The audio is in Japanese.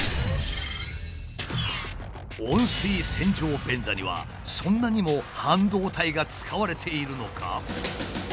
温水洗浄便座にはそんなにも半導体が使われているのか？